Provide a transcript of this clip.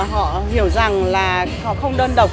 họ hiểu rằng là họ không đơn độc